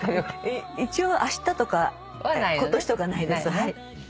一応あしたとか今年とかないです。